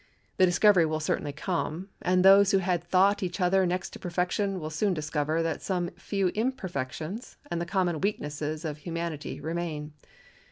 The discovery will certainly come, and those who had thought each other next to perfection will soon discover that some few imperfections and the common weaknesses of humanity remain.